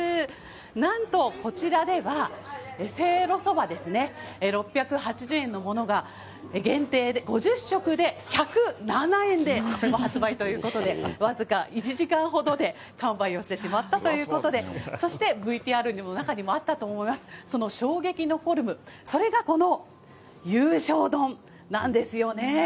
なんと、こちらではせいろそばですね、６８０円のものが、限定５０食で１０７円で発売ということで、僅か１時間ほどで完売をしてしまったということで、そしてＶＴＲの中にもあったと思います、その衝撃のフォルム、それがこの優勝丼なんですよね。